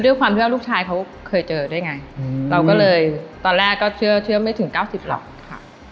ด้วยความเชื่อลูกชายเขาเคยเจอได้ไงอืมเราก็เลยตอนแรกก็เชื่อเชื่อไม่ถึงเก้าสิบหรอกค่ะ